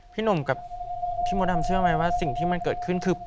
พี่หนุ่มกับพี่มดดำเชื่อไหมว่าสิ่งที่มันเกิดขึ้นคือ